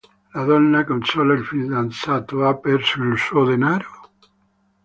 La donna consola il fidanzato: ha perso il suo denaro?